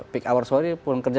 peak hour sorry pun kerja